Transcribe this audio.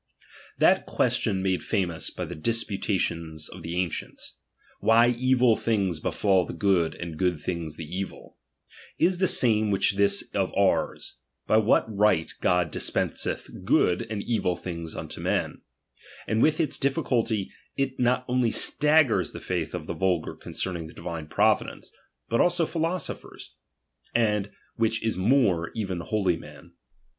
That question made famous by the disputa n tions of the ancients : why evil things be/al the good, and good things the evil: is the same with this of ours ; by what right God dtapenseth good and evil things unto men ; and with its difficulty it not only staggers the faith of the vulgar con cerning the divine Providence, but also philoso phers, and which is more, even of holy men.